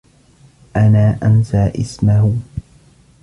أنا أنسى إسمه.